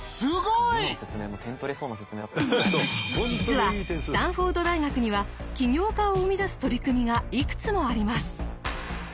実はスタンフォード大学には起業家を生み出す取り組みがいくつもあります。